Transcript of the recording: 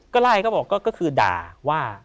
ก็ไล่ก็บอกก็คือด่าว่า